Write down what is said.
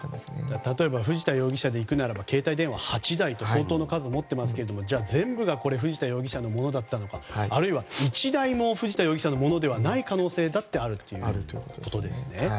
例えば藤田容疑者でいくならば、携帯電話８台と相当な数を持っていますが全部が藤田容疑者のものだったのかあるいは１台も藤田容疑者のものではない可能性だってあるということですね。